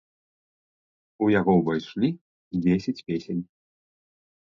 У яго ўвайшлі дзесяць песень.